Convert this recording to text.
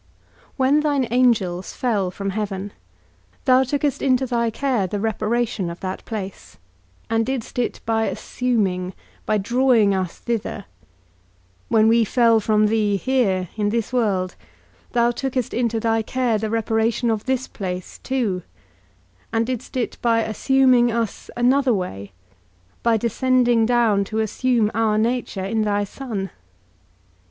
When thine angels fell from heaven, thou tookest into thy care the reparation of that place, and didst it by assuming, by drawing us thither; when we fell from thee here, in this world, thou tookest into thy care the reparation of this place too, and didst it by assuming us another way, by descending down to assume our nature, in thy Son.